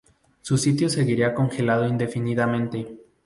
Su sitio seguiría congelado indefinidamente.